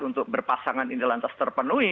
untuk berpasangan ini lantas terpenuhi